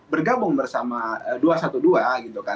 bergabung bersama dua ratus dua belas